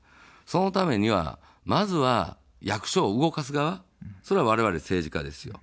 そのためには、まずは役所を動かす側、それはわれわれ政治家ですよ。